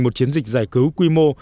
một chiến dịch giải cứu quy mô